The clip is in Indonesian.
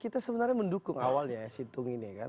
kita sebenarnya mendukung awalnya ya situng ini kan